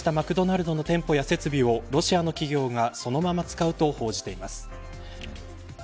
撤退したマクドナルドの店舗や設備をロシアの企業がそのまま使うと報じています。